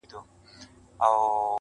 دوه یاران سره ملګري له کلونو.!